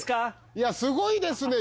すごいですね。